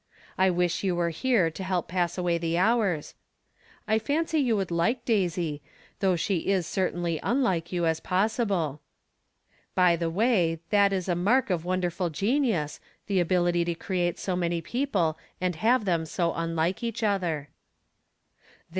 I wish you were here to help pass away the hours. I fancy you would like Daisy, though she is cer tainly unlike you as possible. By the way, that is a mark of wonderful genius, the ability to create so many people and have them so unlike each other. There !